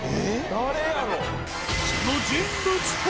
誰やろ？